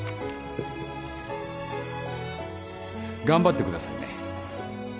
頑張ってくださいね